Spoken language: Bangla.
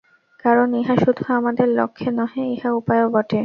কারণ, ইহা শুধু আমাদের লক্ষ্য নহে, ইহা উপায়ও বটে।